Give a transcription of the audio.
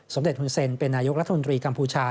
เด็จฮุนเซ็นเป็นนายกรัฐมนตรีกัมพูชา